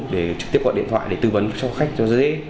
để trực tiếp gọi điện thoại để tư vấn cho khách cho dễ